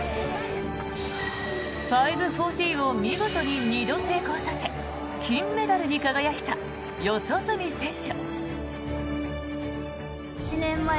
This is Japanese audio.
５４０を見事に２度成功させ金メダルに輝いた四十住選手。